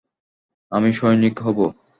আমি সৈনিক হবো।